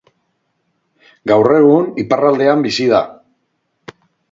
Gaur egun iparraldean bizi da.